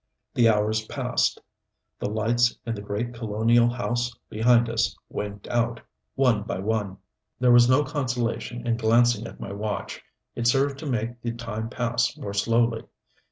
The hours passed. The lights in the great colonial house behind us winked out, one by one. There was no consolation in glancing at my watch. It served to make the time pass more slowly.